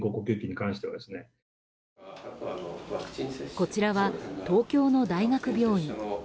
こちらは東京の大学病院。